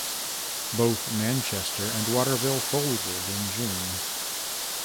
Both Manchester and Waterville folded in June.